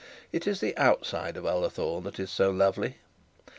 It is the outside of Ullathorne that is so lovely.